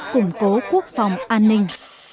củng cố quốc phòng an ninh